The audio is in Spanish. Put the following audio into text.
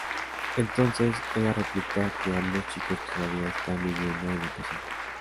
Entonces ella replica que ambos chicos todavía están viviendo en la posada.